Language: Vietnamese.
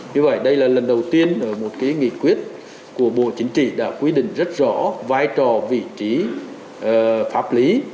như vậy đây là lần đầu tiên ở một nghị quyết của bộ chính trị đã quy định rất rõ vai trò vị trí pháp lý